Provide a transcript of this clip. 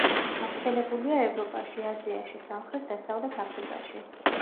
გავრცელებულია ევროპაში, აზიაში, სამხრეთ-დასავლეთ აფრიკაში.